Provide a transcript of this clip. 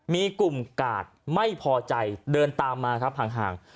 มีกลุ่มกาดไม่พอใจเดินตามมาครับห่าง